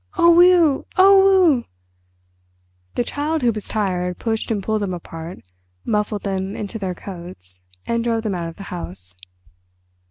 "Oh, weh! oh, weh!" The Child Who Was Tired pushed and pulled them apart, muffled them into their coats, and drove them out of the house.